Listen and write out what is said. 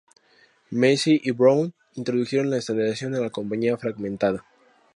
Massey y Brown introdujeron la estandarización a la compañía fragmentada.